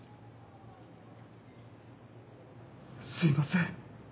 すいません。